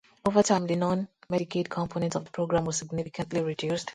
Over time, the non-Medicaid component of the program was significantly reduced.